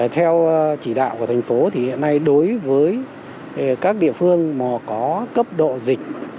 theo chỉ đạo của thành phố thì hiện nay đối với các địa phương mà có cấp độ dịch một hai